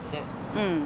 うん。